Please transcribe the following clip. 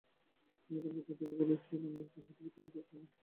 তিনি কলকাতা থেকে গুলিস্তাঁ নামে একটি সাহিত্য পত্রিকা প্রকাশ করেন।